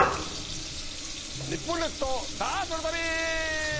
日本列島ダーツの旅！